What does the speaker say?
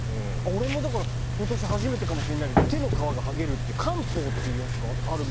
俺もだから今年初めてかもしれないけど手の皮が剥げるっていう汗疱っていうやつがあるみたいで。